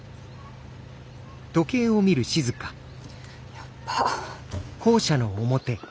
やっば！